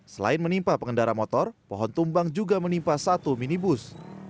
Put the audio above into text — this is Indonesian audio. selain menimpa pengendara motor pohon tumbang juga menimpa satu minibus